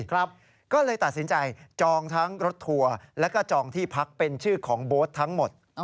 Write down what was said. ก็เลยตัดสินใจจองทั้งรถทัวร์แล้วก็จองที่พักเป็นชื่อของโบ๊ททั้งหมด